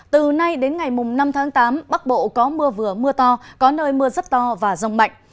từ nay đến ngày năm tháng tám bắc bộ có mưa vừa mưa to có nơi mưa rất to và rông mạnh